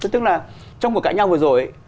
tức là trong cuộc cãi nhau vừa rồi